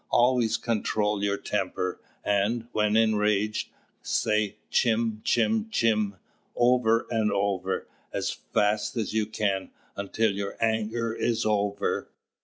"Always control your temper; and, when enraged, say, chim, chim, chim, over and over, as fast as you can, until your anger is over.